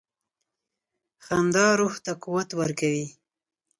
• خندا روح ته قوت ورکوي.